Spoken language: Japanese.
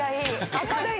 明るい？